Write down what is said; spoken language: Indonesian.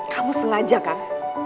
kamu sengaja kan